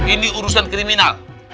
ini urusan kriminal